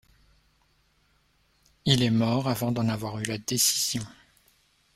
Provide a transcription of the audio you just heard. Il est mort avant d'en avoir eu la décision.